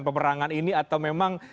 peperangan ini atau memang